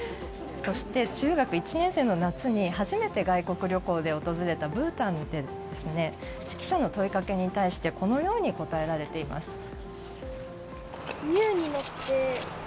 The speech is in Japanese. そして、中学１年生の夏に初めて外国旅行で訪れたブータンで記者の問いかけに対してこのように答えられています。